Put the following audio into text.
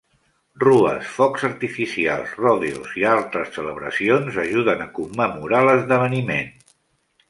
Rues, focs artificials, rodeos, i altres celebracions ajuden a commemorar l'esdeveniment.